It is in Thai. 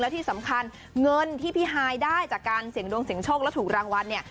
ที่สำคัญเงินที่พี่ฮายได้จากการเสี่ยงดวงเสียงโชคแล้วถูกรางวัลเนี่ย